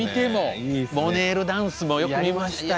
モネールダンスもよく見ましたよ。